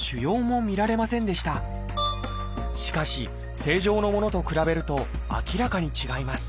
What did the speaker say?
しかし正常のものと比べると明らかに違います。